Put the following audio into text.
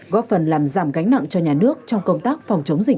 góp phần làm giảm gánh nặng cho nhà nước trong công tác phòng chống dịch